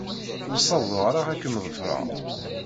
Ur ssawḍeɣ ara ad kem-ḍefreɣ.